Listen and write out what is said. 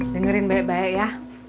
dengerin baik baik ya